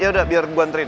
yaudah biar gue anterin